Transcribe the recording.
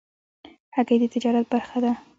هګۍ د تجارت برخه ده.